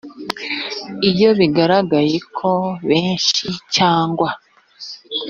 iyo bigaragaye ko benshi cyangwa